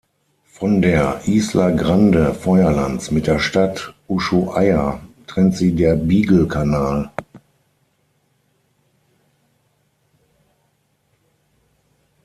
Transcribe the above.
Von der "Isla Grande" Feuerlands mit der Stadt Ushuaia trennt sie der Beagle-Kanal.